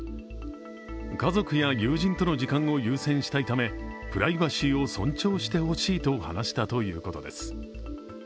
家族や友人との時間を優先したいためプライバシーを尊重してほしいと話したということです。